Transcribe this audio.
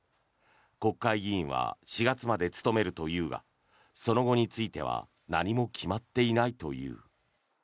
国会議員は４月まで務めるというがその後については何も決まっていないという。